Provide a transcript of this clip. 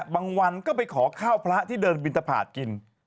บางวันก็ไปขอข้าวพระที่เดินบิณฑภาษณ์กิน